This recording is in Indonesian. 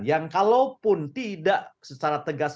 yang kalaupun tidak secara tegas